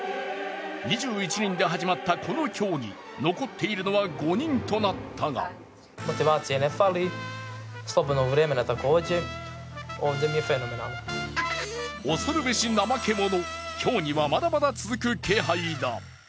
２１人で始まったこの競技、残っているのは５人となったが恐るべし怠け者、競技はまだまだ続く気配だ。